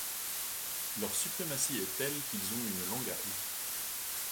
Leur suprématie est telle qu’ils ont une langue à eux.